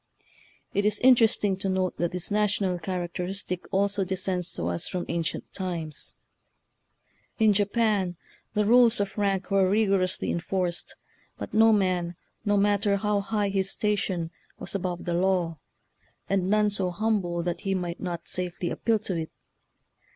It is interesting to note that this national characteristic also descends to us from ancient times. 892 HARPER'S NEW MONTHLY MAGAZINE. In Japan tlie rules of rank were rigor ously enforced, but no man, no matter how high his station, was above the law; and none so humble that he might not safely appeal to it.